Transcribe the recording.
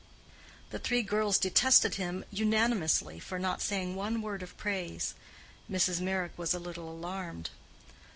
The three girls detested him unanimously for not saying one word of praise. Mrs. Meyrick was a little alarmed.